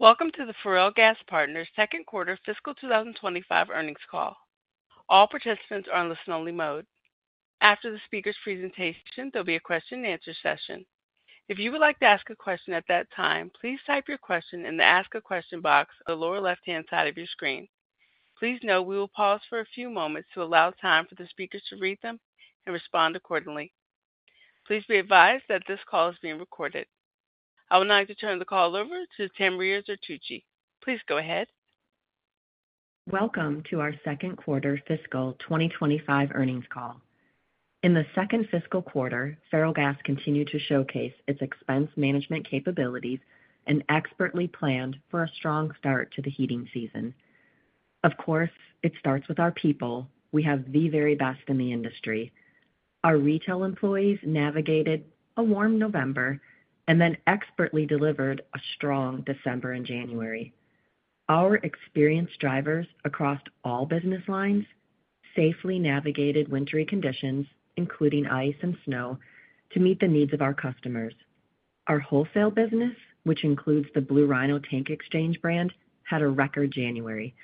Welcome to the Ferrellgas Partners Second Quarter Fiscal 2025 Earnings Call. All participants are on listen-only mode. After the speaker's presentation, there'll be a question-and-answer session. If you would like to ask a question at that time, please type your question in the Ask a Question box on the lower left-hand side of your screen. Please note we will pause for a few moments to allow time for the speakers to read them and respond accordingly. Please be advised that this call is being recorded. I would now like to turn the call over to Tamria Zertuche. Please go ahead. Welcome to our Second Quarter Fiscal 2025 Earnings Call. In the second fiscal quarter, Ferrellgas continued to showcase its expense management capabilities and expertly planned for a strong start to the heating season. Of course, it starts with our people. We have the very best in the industry. Our retail employees navigated a warm November and then expertly delivered a strong December and January. Our experienced drivers across all business lines safely navigated wintry conditions, including ice and snow, to meet the needs of our customers. Our wholesale business, which includes the Blue Rhino propane exchange brand, had a record January.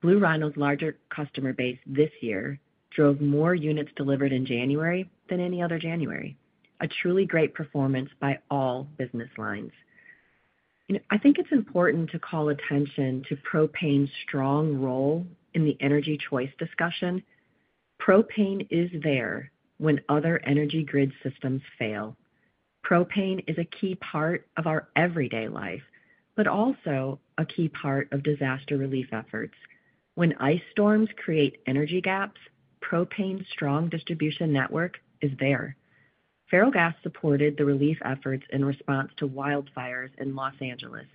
Blue Rhino's larger customer base this year drove more units delivered in January than any other January. A truly great performance by all business lines. I think it's important to call attention to propane's strong role in the energy choice discussion. Propane is there when other energy grid systems fail. Propane is a key part of our everyday life, but also a key part of disaster relief efforts. When ice storms create energy gaps, propane's strong distribution network is there. Ferrellgas supported the relief efforts in response to wildfires in Los Angeles,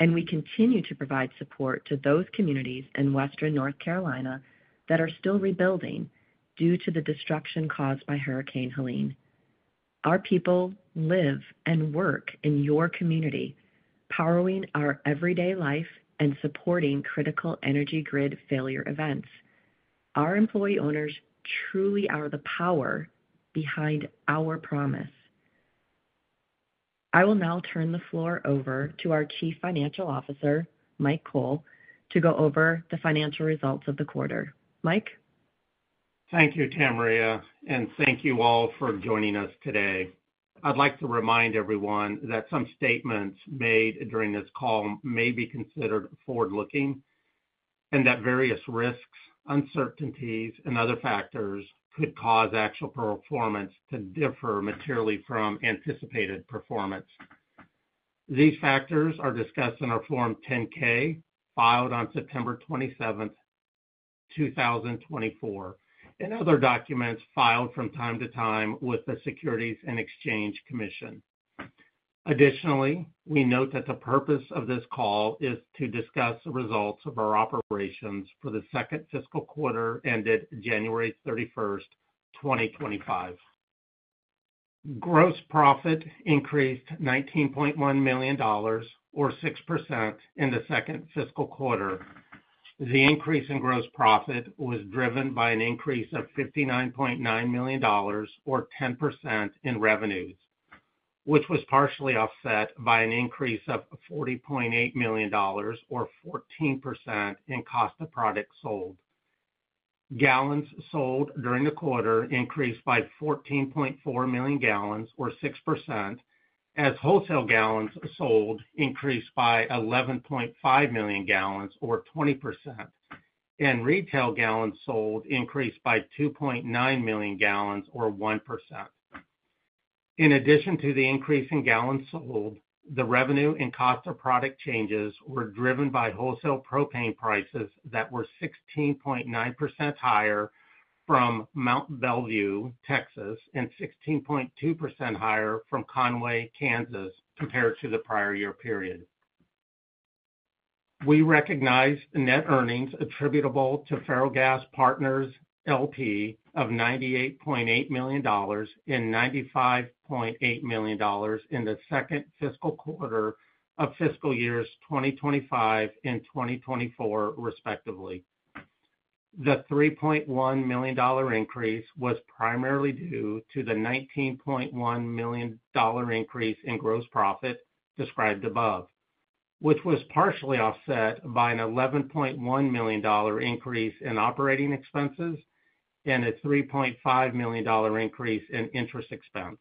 and we continue to provide support to those communities in Western North Carolina that are still rebuilding due to the destruction caused by Hurricane Helene. Our people live and work in your community, powering our everyday life and supporting critical energy grid failure events. Our employee owners truly are the power behind our promise. I will now turn the floor over to our Chief Financial Officer, Mike Cole, to go over the financial results of the quarter. Mike. Thank you, Tamria, and thank you all for joining us today. I'd like to remind everyone that some statements made during this call may be considered forward-looking and that various risks, uncertainties, and other factors could cause actual performance to differ materially from anticipated performance. These factors are discussed in our Form 10-K filed on September 27, 2024, and other documents filed from time to time with the Securities and Exchange Commission. Additionally, we note that the purpose of this call is to discuss the results of our operations for the second fiscal quarter ended January 31, 2025. Gross profit increased $19.1 million, or 6%, in the second fiscal quarter. The increase in gross profit was driven by an increase of $59.9 million, or 10%, in revenues, which was partially offset by an increase of $40.8 million, or 14%, in cost of products sold. Gallons sold during the quarter increased by 14.4 million gallons, or 6%, as wholesale gallons sold increased by 11.5 million gallons, or 20%, and retail gallons sold increased by 2.9 million gallons, or 1%. In addition to the increase in gallons sold, the revenue and cost of product changes were driven by wholesale propane prices that were 16.9% higher from Mont Belvieu, Texas, and 16.2% higher from Conway, Kansas, compared to the prior year period. We recognize net earnings attributable to Ferrellgas Partners of $98.8 million and $95.8 million in the second fiscal quarter of fiscal years 2025 and 2024, respectively. The $3.1 million increase was primarily due to the $19.1 million increase in gross profit described above, which was partially offset by an $11.1 million increase in operating expenses and a $3.5 million increase in interest expense.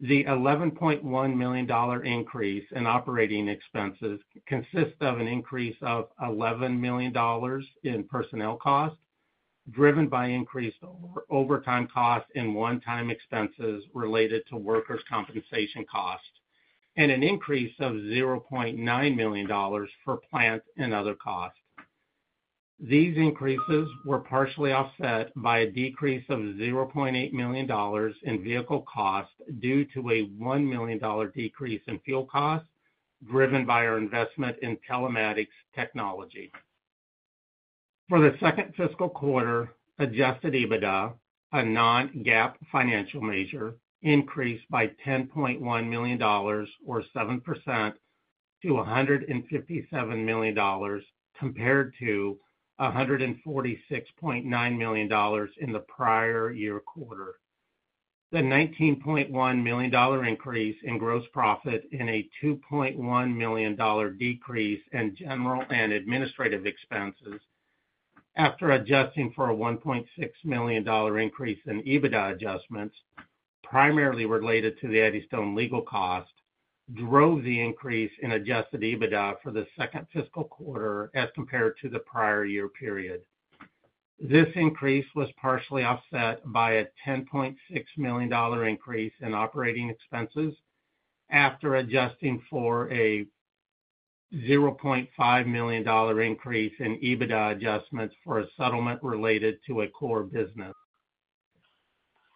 The $11.1 million increase in operating expenses consists of an increase of $11 million in personnel cost driven by increased overtime cost and one-time expenses related to workers' compensation cost, and an increase of $0.9 million for plant and other costs. These increases were partially offset by a decrease of $0.8 million in vehicle cost due to a $1 million decrease in fuel cost driven by our investment in telematics technology. For the second fiscal quarter, adjusted EBITDA, a non-GAAP financial measure, increased by $10.1 million, or 7%, to $157 million compared to $146.9 million in the prior year quarter. The $19.1 million increase in gross profit and a $2.1 million decrease in general and administrative expenses, after adjusting for a $1.6 million increase in EBITDA adjustments primarily related to the Eddystone legal cost, drove the increase in adjusted EBITDA for the second fiscal quarter as compared to the prior year period. This increase was partially offset by a $10.6 million increase in operating expenses after adjusting for a $0.5 million increase in EBITDA adjustments for a settlement related to a core business.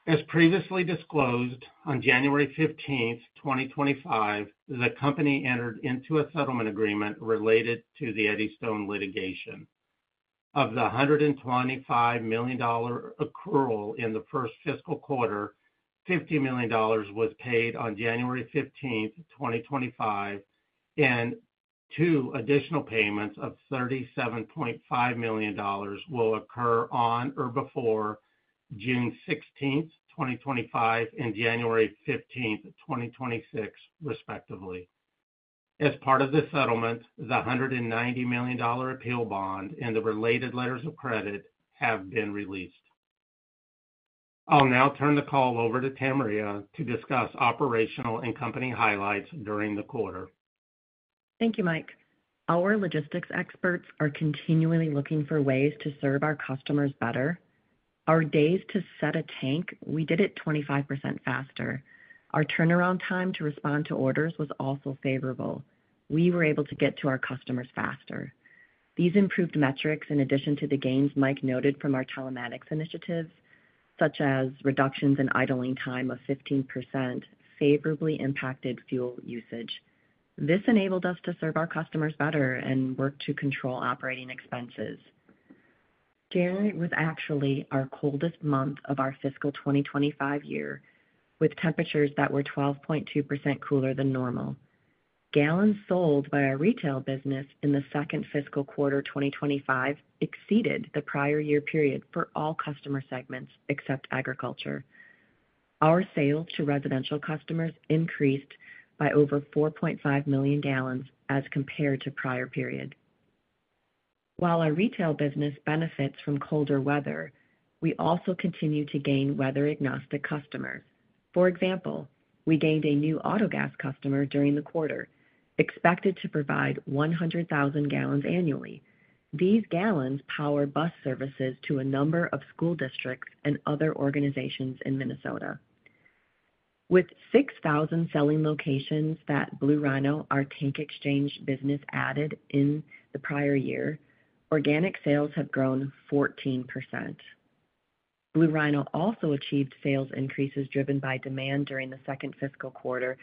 As previously disclosed, on January 15, 2025, the company entered into a settlement agreement related to the Eddystone litigation. Of the $125 million accrual in the first fiscal quarter, $50 million was paid on January 15, 2025, and two additional payments of $37.5 million will occur on or before June 16, 2025, and January 15, 2026, respectively. As part of the settlement, the $190 million appeal bond and the related letters of credit have been released. I'll now turn the call over to Tamria to discuss operational and company highlights during the quarter. Thank you, Mike. Our logistics experts are continually looking for ways to serve our customers better. Our days to set a tank, we did it 25% faster. Our turnaround time to respond to orders was also favorable. We were able to get to our customers faster. These improved metrics, in addition to the gains Mike noted from our telematics initiative, such as reductions in idling time of 15%, favorably impacted fuel usage. This enabled us to serve our customers better and work to control operating expenses. January was actually our coldest month of our fiscal 2025 year, with temperatures that were 12.2% cooler than normal. Gallons sold by our retail business in the second fiscal quarter 2025 exceeded the prior year period for all customer segments except agriculture. Our sales to residential customers increased by over 4.5 million gallons as compared to the prior period. While our retail business benefits from colder weather, we also continue to gain weather-agnostic customers. For example, we gained a new autogas customer during the quarter expected to provide 100,000 gallons annually. These gallons power bus services to a number of school districts and other organizations in Minnesota. With 6,000 selling locations that Blue Rhino, our tank exchange business, added in the prior year, organic sales have grown 14%. Blue Rhino also achieved sales increases driven by demand during the second fiscal quarter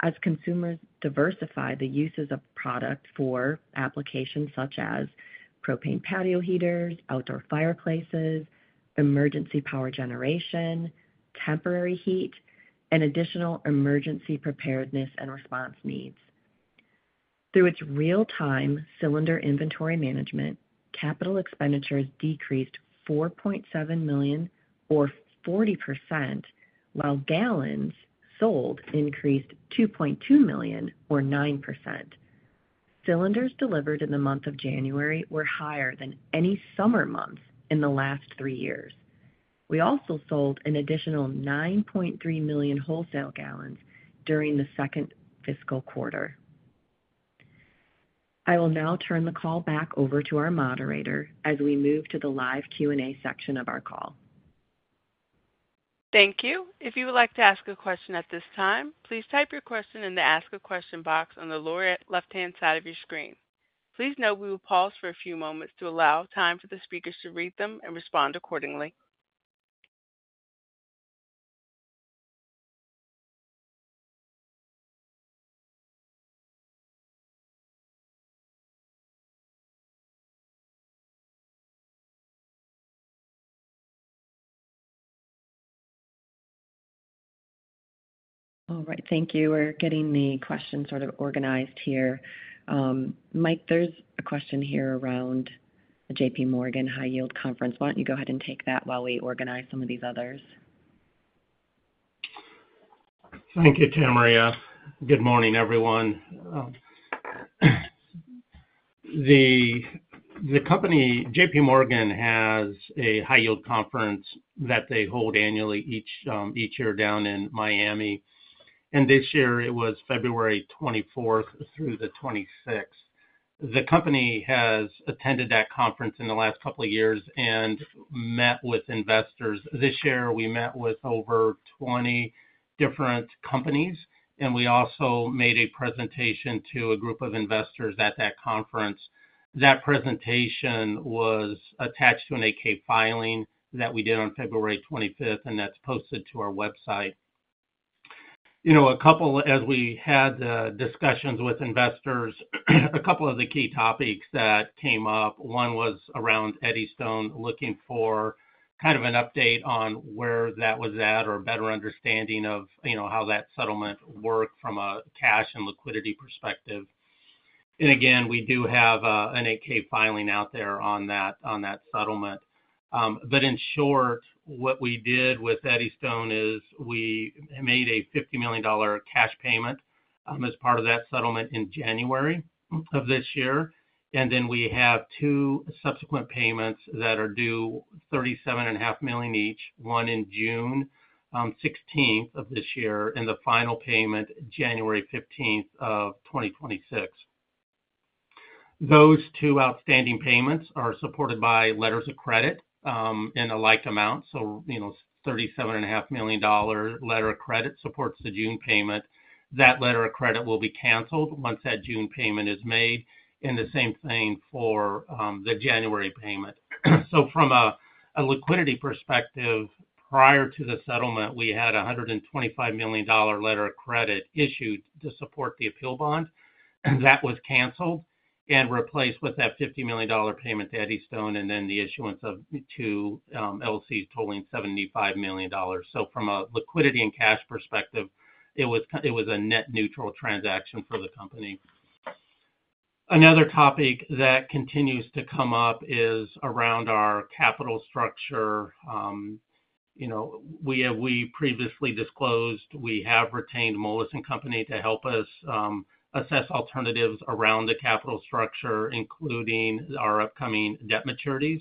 as consumers diversify the uses of product for applications such as propane patio heaters, outdoor fireplaces, emergency power generation, temporary heat, and additional emergency preparedness and response needs. Through its real-time cylinder inventory management, capital expenditures decreased $4.7 million, or 40%, while gallons sold increased 2.2 million, or 9%. Cylinders delivered in the month of January were higher than any summer months in the last three years. We also sold an additional 9.3 million wholesale gallons during the second fiscal quarter. I will now turn the call back over to our moderator as we move to the live Q&A section of our call. Thank you. If you would like to ask a question at this time, please type your question in the Ask a Question box on the lower left-hand side of your screen. Please note we will pause for a few moments to allow time for the speakers to read them and respond accordingly. All right. Thank you. We're getting the questions sort of organized here. Mike, there's a question here around the JPMorgan High Yield Conference. Why don't you go ahead and take that while we organize some of these others? Thank you, Tamria. Good morning, everyone. The company JPMorgan has a high yield conference that they hold annually each year down in Miami, and this year it was February 24th through the 26th. The company has attended that conference in the last couple of years and met with investors. This year we met with over 20 different companies, and we also made a presentation to a group of investors at that conference. That presentation was attached to an 8-K filing that we did on February 25th, and that's posted to our website. You know, a couple—as we had discussions with investors—a couple of the key topics that came up. One was around Eddystone, looking for kind of an update on where that was at or a better understanding of how that settlement worked from a cash and liquidity perspective. We do have an 8-K filing out there on that settlement. In short, what we did with Eddystone is we made a $50 million cash payment as part of that settlement in January of this year. We have two subsequent payments that are due, $37.5 million each, one on June 16th of this year and the final payment January 15th of 2026. Those two outstanding payments are supported by letters of credit in a like amount. You know, a $37.5 million letter of credit supports the June payment. That letter of credit will be canceled once that June payment is made, and the same thing for the January payment. From a liquidity perspective, prior to the settlement, we had a $125 million letter of credit issued to support the appeal bond. That was canceled and replaced with that $50 million payment to Eddystone and then the issuance of two LCs totaling $75 million. From a liquidity and cash perspective, it was a net neutral transaction for the company. Another topic that continues to come up is around our capital structure. You know, we previously disclosed we have retained Moelis & Company to help us assess alternatives around the capital structure, including our upcoming debt maturities.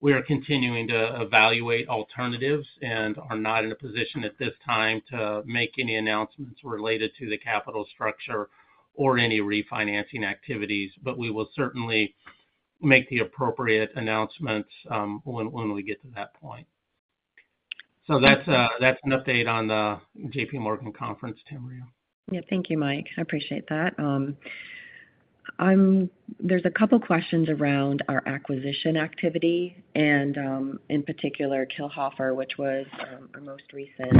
We are continuing to evaluate alternatives and are not in a position at this time to make any announcements related to the capital structure or any refinancing activities. We will certainly make the appropriate announcements when we get to that point. That is an update on the JPMorgan Conference, Tamria. Yeah. Thank you, Mike. I appreciate that. There's a couple of questions around our acquisition activity and, in particular, Kilhoffer, which was our most recent.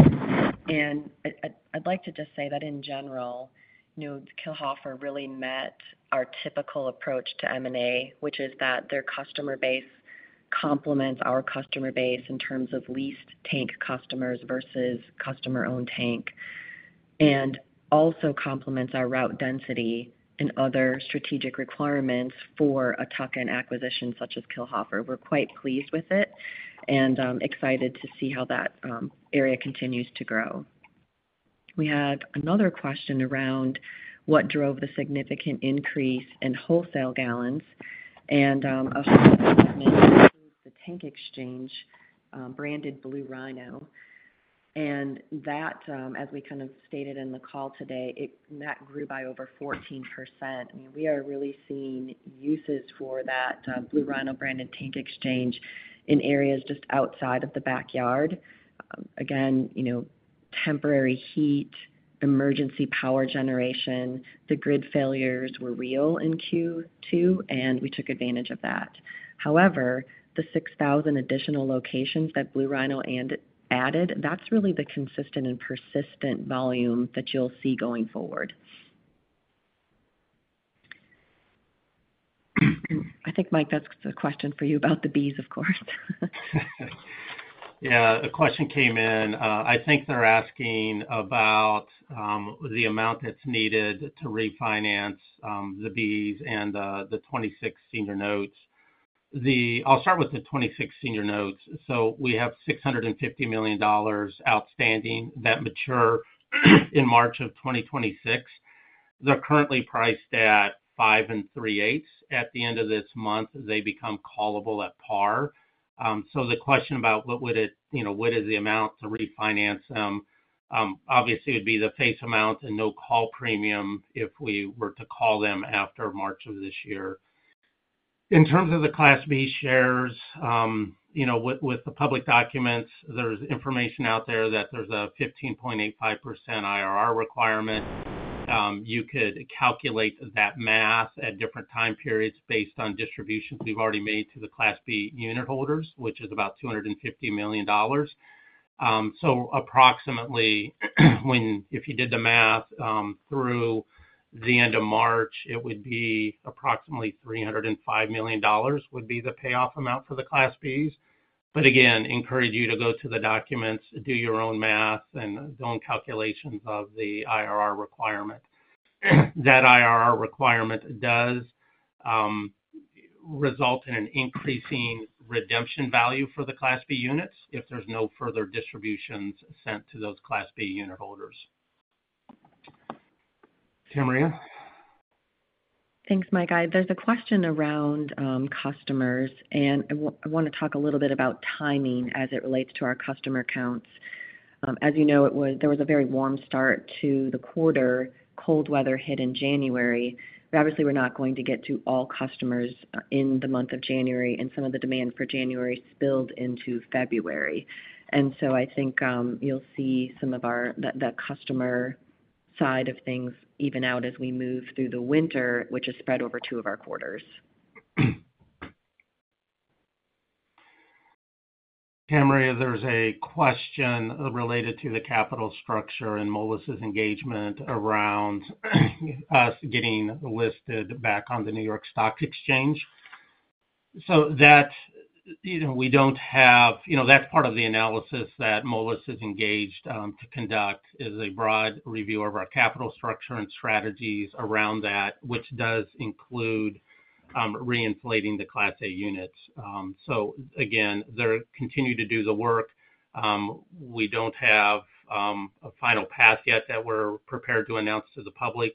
I'd like to just say that in general, you know, Kilhoffer really met our typical approach to M&A, which is that their customer base complements our customer base in terms of leased tank customers versus customer-owned tank and also complements our route density and other strategic requirements for a tuck-in acquisition such as Kilhoffer. We're quite pleased with it and excited to see how that area continues to grow. We had another question around what drove the significant increase in wholesale gallons and a wholesale gallon increase to the tank exchange branded Blue Rhino. That, as we kind of stated in the call today, grew by over 14%. I mean, we are really seeing uses for that Blue Rhino branded tank exchange in areas just outside of the backyard. Again, you know, temporary heat, emergency power generation, the grid failures were real in Q2, and we took advantage of that. However, the 6,000 additional locations that Blue Rhino added, that's really the consistent and persistent volume that you'll see going forward. I think, Mike, that's the question for you about the bees, of course. Yeah. A question came in. I think they're asking about the amount that's needed to refinance the Bs and the 2026 senior notes. I'll start with the 2026 senior notes. We have $650 million outstanding that mature in March of 2026. They're currently priced at 5.38% at the end of this month as they become callable at par. The question about what would it, you know, what is the amount to refinance them? Obviously, it would be the face amount and no call premium if we were to call them after March of this year. In terms of the Class B shares, you know, with the public documents, there's information out there that there's a 15.85% IRR requirement. You could calculate that math at different time periods based on distributions we've already made to the Class B unit holders, which is about $250 million. Approximately, if you did the math through the end of March, it would be approximately $305 million would be the payoff amount for the Class Bs. Again, encourage you to go to the documents, do your own math, and own calculations of the IRR requirement. That IRR requirement does result in an increasing redemption value for the Class B units if there's no further distributions sent to those Class B unit holders. Tamria? Thanks, Mike. There's a question around customers, and I want to talk a little bit about timing as it relates to our customer counts. As you know, there was a very warm start to the quarter. Cold weather hit in January. Obviously, we're not going to get to all customers in the month of January, and some of the demand for January spilled into February. I think you'll see some of our customer side of things even out as we move through the winter, which is spread over two of our quarters. Tamria, there's a question related to the capital structure and Moelis' engagement around us getting listed back on the New York Stock Exchange. You know, that's part of the analysis that Moelis' engaged to conduct is a broad review of our capital structure and strategies around that, which does include reinflating the Class A units. They're continuing to do the work. We don't have a final pass yet that we're prepared to announce to the public.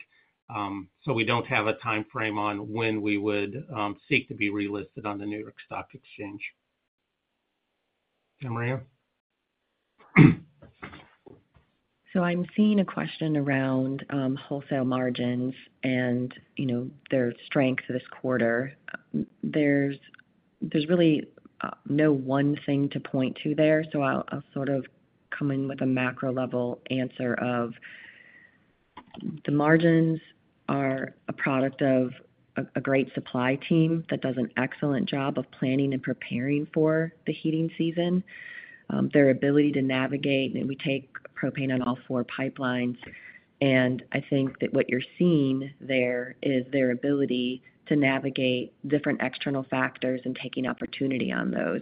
We don't have a timeframe on when we would seek to be relisted on the New York Stock Exchange. Tamria? I'm seeing a question around wholesale margins and, you know, their strength this quarter. There's really no one thing to point to there. I'll sort of come in with a macro level answer of the margins are a product of a great supply team that does an excellent job of planning and preparing for the heating season. Their ability to navigate, and we take propane on all four pipelines. I think that what you're seeing there is their ability to navigate different external factors and taking opportunity on those.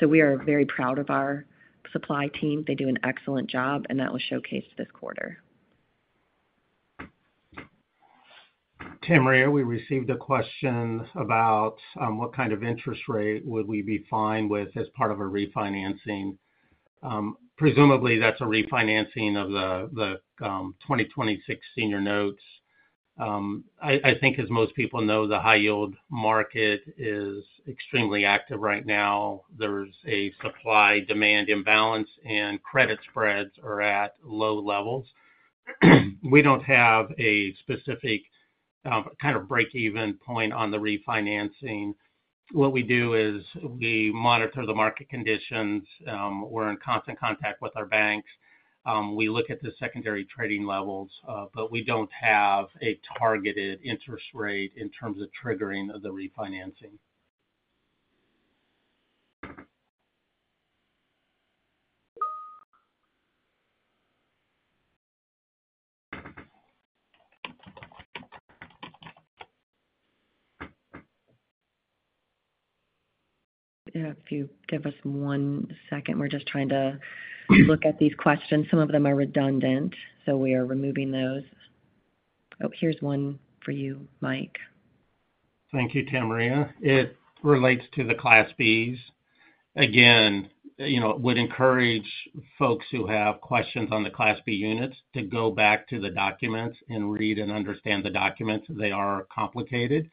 We are very proud of our supply team. They do an excellent job, and that was showcased this quarter. Tamria, we received a question about what kind of interest rate would we be fine with as part of a refinancing. Presumably, that's a refinancing of the 2026 senior notes. I think, as most people know, the high yield market is extremely active right now. There's a supply-demand imbalance, and credit spreads are at low levels. We don't have a specific kind of break-even point on the refinancing. What we do is we monitor the market conditions. We're in constant contact with our banks. We look at the secondary trading levels, but we don't have a targeted interest rate in terms of triggering the refinancing. If you give us one second, we're just trying to look at these questions. Some of them are redundant, so we are removing those. Oh, here's one for you, Mike. Thank you, Tamria. It relates to the Class Bs. Again, you know, it would encourage folks who have questions on the Class B units to go back to the documents and read and understand the documents. They are complicated,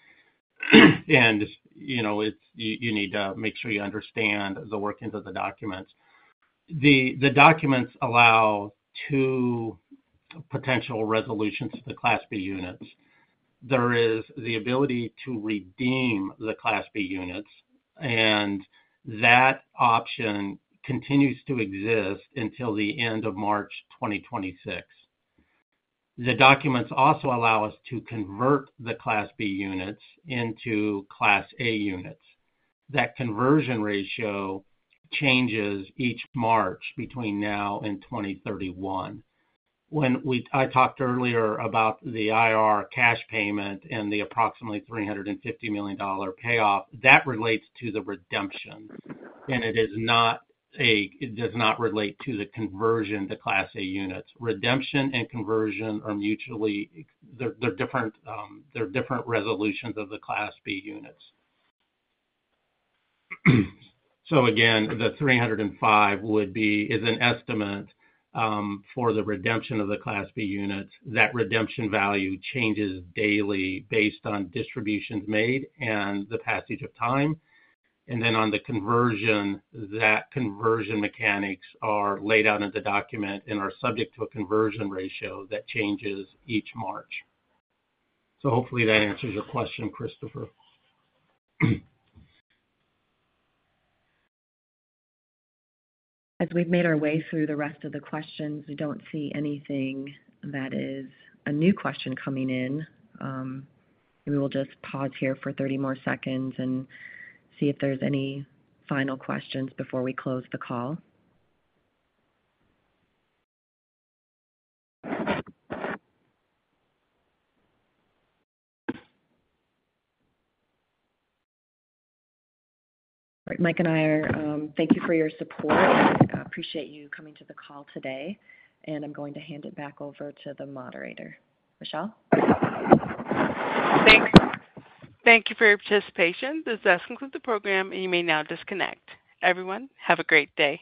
and, you know, you need to make sure you understand the workings of the documents. The documents allow two potential resolutions to the Class B units. There is the ability to redeem the Class B units, and that option continues to exist until the end of March 2026. The documents also allow us to convert the Class B units into Class A units. That conversion ratio changes each March between now and 2031. When I talked earlier about the IRR cash payment and the approximately $350 million payoff, that relates to the redemption, and it is not a—it does not relate to the conversion to Class A units. Redemption and conversion are mutually—they're different resolutions of the Class B units. Again, the 305 would be an estimate for the redemption of the Class B units. That redemption value changes daily based on distributions made and the passage of time. Then on the conversion, that conversion mechanics are laid out in the document and are subject to a conversion ratio that changes each March. Hopefully that answers your question, Christopher. As we've made our way through the rest of the questions, we don't see anything that is a new question coming in. We will just pause here for 30 more seconds and see if there's any final questions before we close the call. All right, Mike and I are—thank you for your support. I appreciate you coming to the call today, and I'm going to hand it back over to the moderator. Michelle? Thank you for your participation. This does conclude the program, and you may now disconnect. Everyone, have a great day.